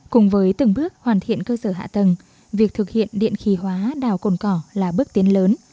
cùng với từng bước hoàn thiện cơ sở hạ tầng việc thực hiện điện khí hóa đảo cồn cỏ là bước tiến lớn